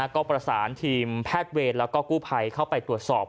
ก็ประสานทีมแพทย์เวรแล้วก็กู้ภัยเข้าไปตรวจสอบ